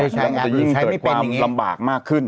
แล้วมันจะยิ่งเกิดความลำบากมากขึ้น